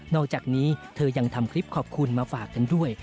อกจากนี้เธอยังทำคลิปขอบคุณมาฝากกันด้วย